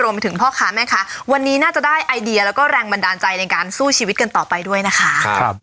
พ่อค้าแม่ค้าวันนี้น่าจะได้ไอเดียแล้วก็แรงบันดาลใจในการสู้ชีวิตกันต่อไปด้วยนะคะ